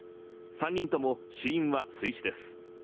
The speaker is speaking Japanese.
３人とも死因は水死です。